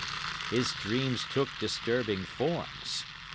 "His dreams took disturbing forms.